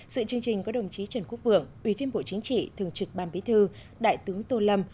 sự chương trình có đồng chí trần quốc vượng ủy viên bộ chính trị thường trực ban bí thư đại tướng tô lâm